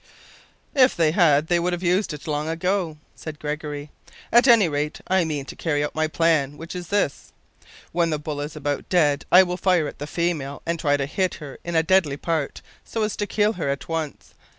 "If they had they would have used it long ago," said Gregory. "At any rate I mean to carry out my plan which is this. When the bull is about dead I will fire at the female and try to hit her in a deadly part, so as to kill her at once.